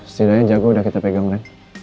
setidaknya jago udah kita pegang deh